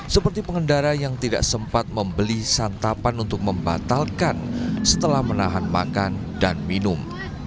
seperti pengendara yang tidak sempat membeli santapan untuk membatalkan setelah menahan makan dan minum